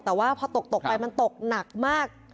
แต่ว่าพอตกไปมันตกหนักมาก